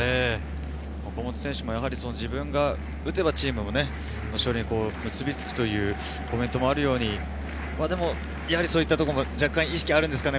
岡本選手も自分が打てばチームも勝利に結びつくというコメントもあるように、やはりそういう意識もあるんですかね。